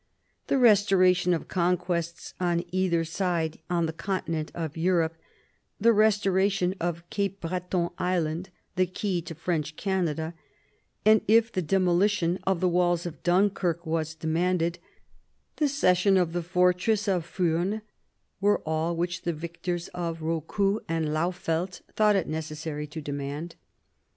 The restoration of conquests on either side on the continent of Europe, the restoration of Cape Breton Island, the key to French Canada, and, if the demolition of the walls of Dunkirk was demanded, the cession of the fortress of Furnes, were all which the victors of Eaucoux and Laufeldt thought it necessary to demand.